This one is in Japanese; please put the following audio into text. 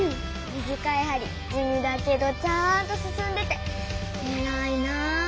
短いはりじみだけどちゃんとすすんでてえらいな！